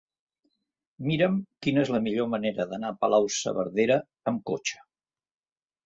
Mira'm quina és la millor manera d'anar a Palau-saverdera amb cotxe.